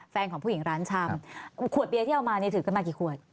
แฟนของผู้หญิงร้านชำขวดเบียร์ที่เอามาเนี่ยถือขึ้นมากี่ขวด